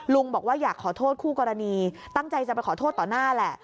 บอกว่าอยากขอโทษคู่กรณีตั้งใจจะไปขอโทษต่อหน้าแหละ